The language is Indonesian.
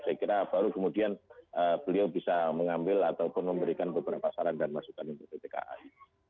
saya kira baru kemudian beliau bisa mengambil ataupun memberikan beberapa saran dan masukan untuk pt kai